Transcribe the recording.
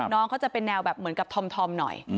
น้องเขาจะเป็นแนวแบบเหมือนกับธอมหน่อย